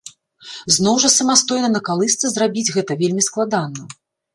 Зноў жа самастойна на калысцы зрабіць гэта вельмі складана.